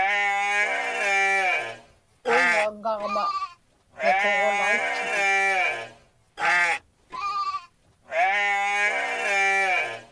Uiñġaŋŋaġma miquġulaitchuŋa.